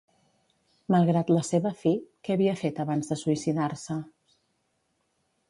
Malgrat la seva fi, què havia fet abans de suïcidar-se?